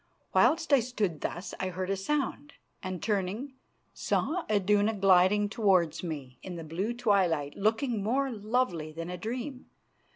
Whilst I stood thus I heard a sound, and, turning, saw Iduna gliding towards me in the blue twilight, looking more lovely than a dream.